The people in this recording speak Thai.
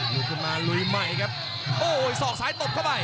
ลุกขึ้นมาลุยใหม่ครับโอ้โหสอกซ้ายตบเข้าไป